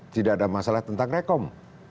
tidak ada masalah tentang rekom